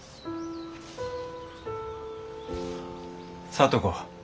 聡子。